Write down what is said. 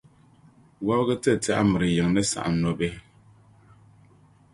Wubiga te tɛɣu m-mir’ yiŋa ni saɣim nɔbihi.